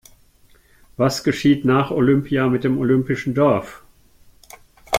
Was geschieht nach Olympia mit dem olympischen Dorf?